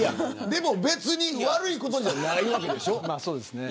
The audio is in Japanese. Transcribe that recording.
でも別に悪いことじゃないわけでしょ。